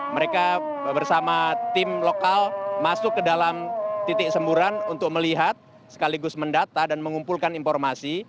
mereka bersama tim lokal masuk ke dalam titik semburan untuk melihat sekaligus mendata dan mengumpulkan informasi